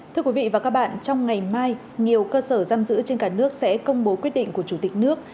thưa quý vị và các bạn trong ngày mai nhiều cơ sở giam giữ trên cả nước sẽ công bố quyết định của chủ tịch nước